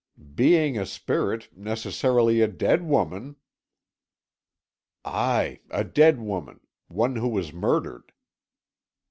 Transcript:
"Being a spirit, necessarily a dead woman!" "Aye, a dead woman one who was murdered."